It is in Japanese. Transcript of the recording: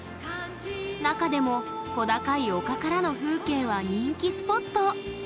中でも小高い丘からの風景は人気スポット。